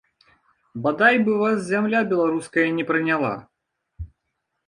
Бадай бы вас зямля беларуская не прыняла!